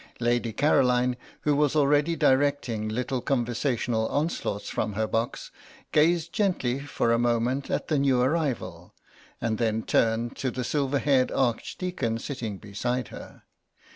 Lady Caroline, who was already directing little conversational onslaughts from her box, gazed gently for a moment at the new arrival, and then turned to the silver haired Archdeacon sitting beside her.